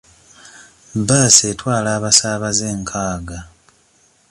Bbaasi etwala abasaabaze nkaaga.